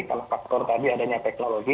karena faktor tadi adanya teknologi